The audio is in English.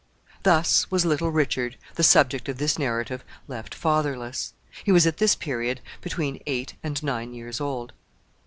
Thus was little Richard, the subject of this narrative, left fatherless. He was at this period between eight and nine years old.